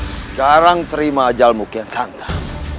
sekarang terima ajal mukian santam